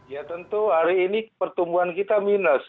ya tentu hari ini pertumbuhan kita minus